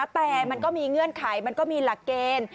แต่มันก็มีเงื่อนไขมันก็มีหลักเกณฑ์